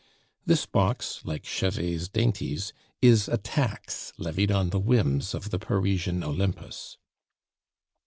This box, like Chevet's dainties, is a tax levied on the whims of the Parisian Olympus.